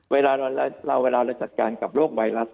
เวลาเราจัดการกับโรคไวรัส